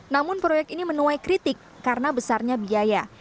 namun proyek ini menuai kritik karena besarnya biaya